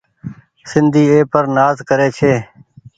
سندي اي پر نآز ڪري ڇي ۔